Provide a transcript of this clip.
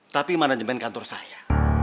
tapi manajemen kantor saya